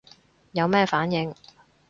有咩反應